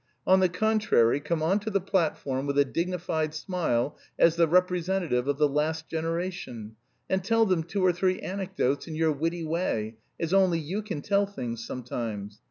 On the contrary, come on to the platform with a dignified smile as the representative of the last generation, and tell them two or three anecdotes in your witty way, as only you can tell things sometimes.